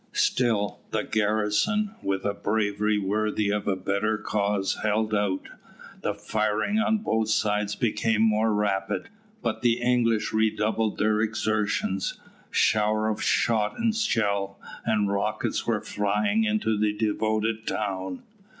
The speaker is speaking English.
Still the garrison, with a bravery worthy of a better cause, held out. The firing on both sides became more rapid, but the English redoubled their exertions. Showers of shot, and shell, and rockets were flying into the devoted town.